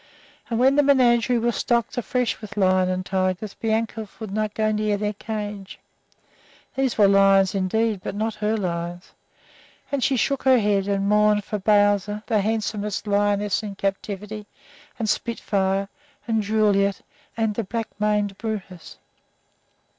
And when the menagerie was stocked afresh with lions and tigers Bianca would not go near their cages. These were lions indeed, but not her lions, and she shook her head and mourned for "Bowzer," the handsomest lioness in captivity, and "Spitfire," and "Juliette," and the black maned "Brutus."